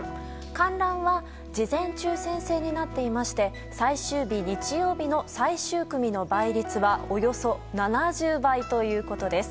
観覧は事前抽選制になっていて最終日、日曜日の最終組の倍率はおよそ７０倍ということです。